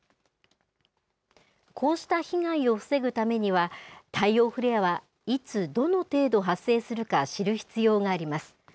こうした被害を防ぐためには、太陽フレアはいつ、どの程度発生するか、知る必要があります。